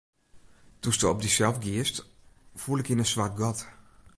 Doe'tsto op dysels giest, foel ik yn in swart gat.